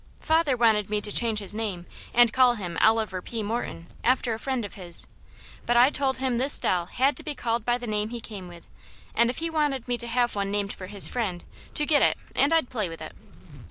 Father wanted me to change his name and call him Oliver P. Morton, after a friend of his, but I told him this doll had to be called by the name he came with, and if he wanted me to have one named for his friend, to get it, and I'd play with it."